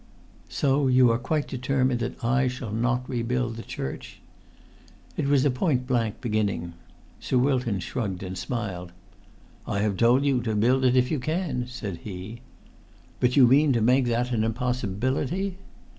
"So you are quite determined that I shall not rebuild the church?" It was a point blank beginning. Sir Wilton shrugged and smiled. "I have told you to build it if you can," said he. "But you mean to make that an impossibility?"